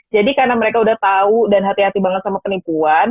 jadi karena mereka udah tahu dan hati hati banget sama penipuan